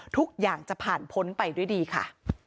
ทุกอย่างจะผ่านพ้นไปด้วยดีค่ะ